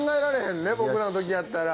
僕らの時やったら。